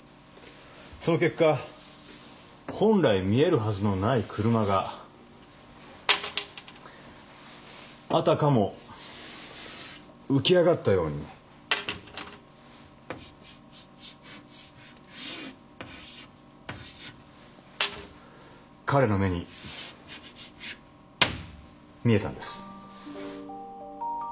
その結果本来見えるはずのない車があたかも浮き上がったように彼の目に見えたんです。